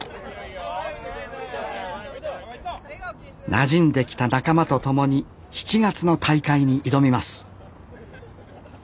なじんできた仲間と共に７月の大会に挑みます